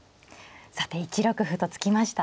さて１六歩と突きました。